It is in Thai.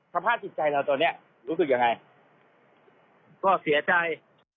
สภาพจิตใจเราตอนนี้รู้สึกยังไงก็เสียใจ